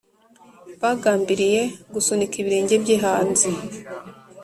Bagambiriye gusunika ibirenge bye hanze